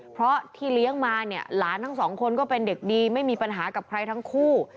เพราะที่เลี้ยงมาเนี่ยหลานทั้งสองคนก็เป็นเด็กดีไม่มีปัญหากับใครทั้งคู่